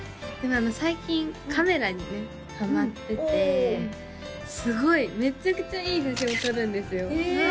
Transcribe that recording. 最近カメラにねハマっててすごいめちゃくちゃいい写真を撮るんですようわ